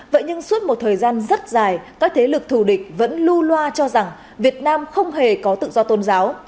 vậy nhưng suốt một thời gian rất dài các thế lực thù địch vẫn lưu loa cho rằng việt nam không hề có tự do tôn giáo